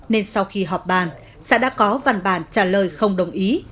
nên sau khi họp bàn xã đã có văn bản trả lời không đồng ý